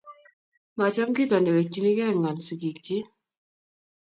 Maacham kito ne wekchini ng'al sigikchich